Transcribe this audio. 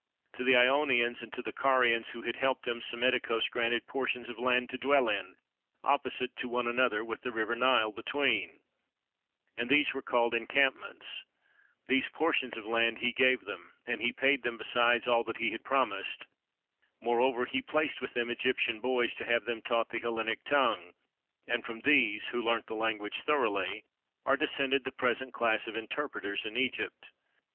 To the Ionians and to the Carians who had helped him Psammetichos granted portions of land to dwell in, opposite to one another with the river Nile between, and these were called "Encampments"; these portions of land he gave them, and he paid them besides all that he had promised: moreover he placed with them Egyptian boys to have them taught the Hellenic tongue; and from these, who learnt the language thoroughly, are descended the present class of interpreters in Egypt.